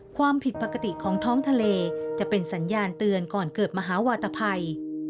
ความผิดปกติของท้องทะเลจะเป็นสัญญาณเตือนก่อนเกิดมหาวาตภัย